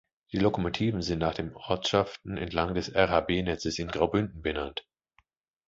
Die Lokomotiven sind nach Ortschaften entlang des RhB-Netzes in Graubünden benannt.